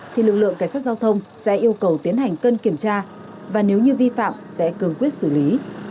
thì lực lượng cảnh sát giao thông sẽ yêu cầu tiến hành cân kiểm tra và nếu như vi phạm sẽ cường quyết xử lý